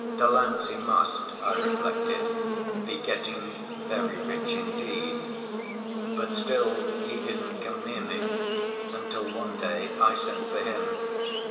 "Delancey must," I reflected, "be getting very rich indeed." But still he didn't come near me, until one day I sent for him.